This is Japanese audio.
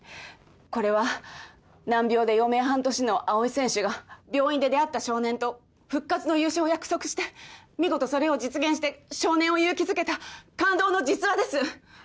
これは難病で余命半年の青井選手が病院で出会った少年と復活の優勝を約束して見事それを実現して少年を勇気づけた感動の実話です！